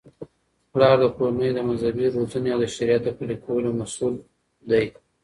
پلار د کورنی د مذهبي روزنې او د شریعت د پلي کولو مسؤل دی.